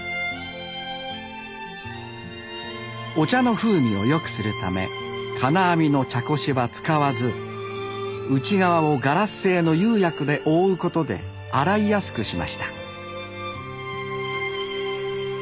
お茶の風味を良くするため金網の茶こしは使わず内側をガラス製の釉薬で覆うことで洗いやすくしました。